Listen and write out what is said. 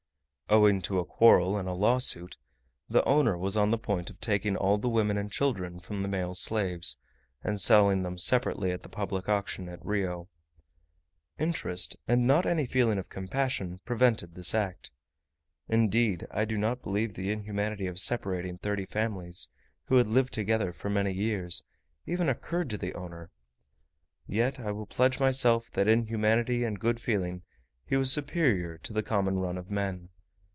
Owing to a quarrel and a lawsuit, the owner was on the point of taking all the women and children from the male slaves, and selling them separately at the public auction at Rio. Interest, and not any feeling of compassion, prevented this act. Indeed, I do not believe the inhumanity of separating thirty families, who had lived together for many years, even occurred to the owner. Yet I will pledge myself, that in humanity and good feeling he was superior to the common run of men.